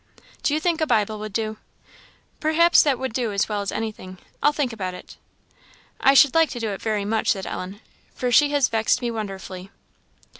"Do you think a Bible would do?" "Perhaps that would do as well as anything; I'll think about it." "I should like to do it, very much," said Ellen, "for she has vexed me wonderfully."